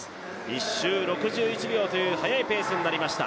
１周６１秒という速いペースになりました。